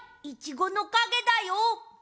いちごのかげだよ！